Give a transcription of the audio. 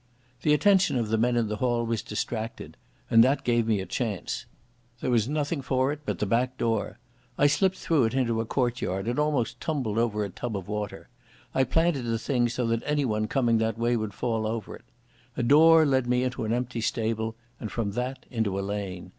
The attention of the men in the hall was distracted, and that gave me a chance. There was nothing for it but the back door. I slipped through it into a courtyard and almost tumbled over a tub of water. I planted the thing so that anyone coming that way would fall over it. A door led me into an empty stable, and from that into a lane.